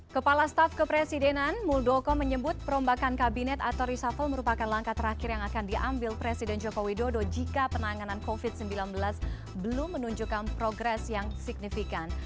kepala staf kepresidenan muldoko menyebut perombakan kabinet atau reshuffle merupakan langkah terakhir yang akan diambil presiden joko widodo jika penanganan covid sembilan belas belum menunjukkan progres yang signifikan